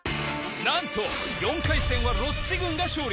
何と４回戦はロッチ軍が勝利